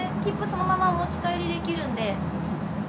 そのままお持ち帰りできるんで。